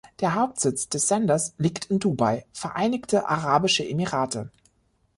Der Hauptsitz des Senders liegt in Dubai, Vereinigte Arabische Emirate.